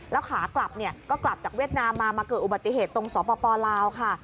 แล้วขากลับเนี่ยก็กลับจากเวียดนามมามาเกิดอุบัติเหตุตรงสปลาวค่ะ